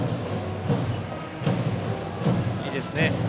いいですね。